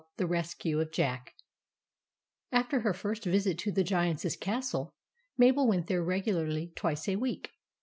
THE RESCUE OF JACK AFTER her first visit to the Giant's castle, Mabel went there regularly twice a week.